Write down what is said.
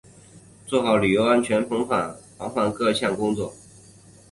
做好旅游安全风险防范各项工作